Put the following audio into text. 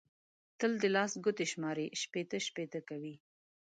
تل د لاس ګوتې شماري؛ شپېته شپېته کوي.